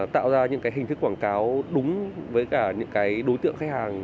tạo ra những hình thức quảng cáo đúng với cả những cái đối tượng khách hàng